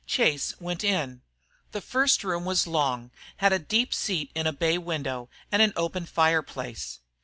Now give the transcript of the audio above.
Chase went in. The first room was long, had a deep seat in a bay window and an open fire place.